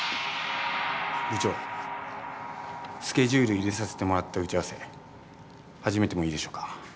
部長、スケジュール入れさせてもらった打ち合わせ始めてもいいでしょうか？